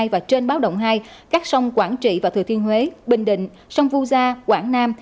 và trên báo động hai các sông quảng trị và thừa thiên huế bình định sông vu gia quảng nam